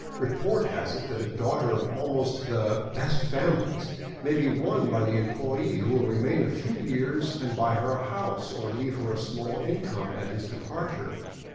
Report has it that a daughter of almost the " best fam ilies " may be won by the employee who will remain a few years and buy her a house or leave her a small income at his departure.